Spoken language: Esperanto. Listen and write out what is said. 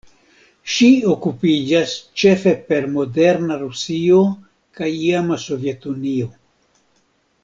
Ŝi okupiĝas ĉefe per moderna Rusio kaj iama Sovetunio.